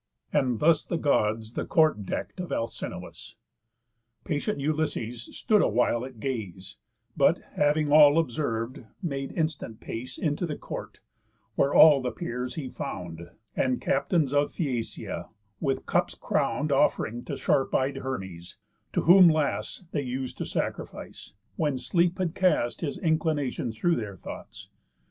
And thus The Gods the court deck'd of Alcinous. Patient Ulysses stood a while at gaze, But, having all observ'd, made instant pace Into the court; where all the peers he found, And captains of Phæacia, with cups crown'd Off'ring to sharp eyed Hermes, to whom last They us'd to sacrifice, when sleep had cast His inclination through their thoughts.